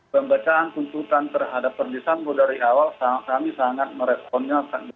pembacaan tuntutan terhadap perdisambo dari awal kami sangat meresponnya